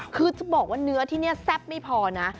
คือจะบอกว่าเนื้อที่นี่แซ่บไม่พอนะ